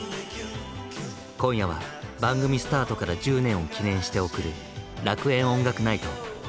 今夜は番組スタートから１０年を記念して贈る楽園音楽ナイト！